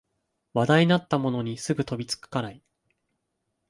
話題になったものにすぐに飛びつかない